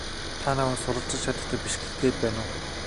Та намайг сурвалжит хатагтай биш гэх гээд байна уу?